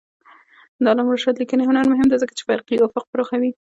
د علامه رشاد لیکنی هنر مهم دی ځکه چې فرهنګي افق پراخوي.